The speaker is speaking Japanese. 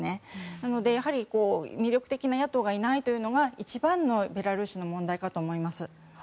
なので、やはり魅力的な野党がいないというのが一番のベラルーシの問題かと思います。